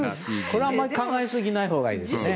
これは考えすぎないほうがいいですね。